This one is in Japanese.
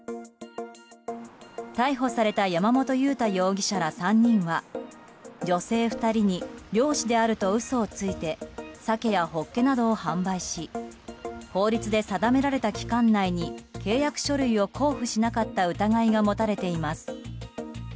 逮捕された山本祐太容疑者ら、３人は女性２人に漁師であると嘘をついてサケやホッケなどを販売し法律で定められた期間内に契約書類を交付しなかった疑いが持たれています。